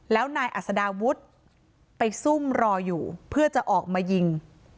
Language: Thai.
แล้วนายอัศดาวุฒิไปซุ่มรออยู่เพื่อจะออกมายิง